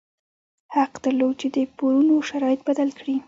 حق درلود چې د پورونو شرایط بدل کړي.